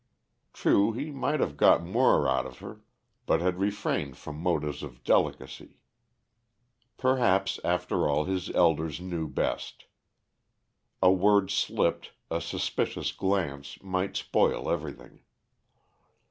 True, he might have got more out of her, but had refrained from motives of delicacy. Perhaps, after all, his elders knew best. A word slipped, a suspicious glance, might spoil everything.